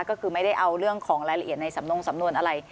ก็คือไม่ได้เอาเรื่องของรายละเอียดในสำนงสำนวนอะไร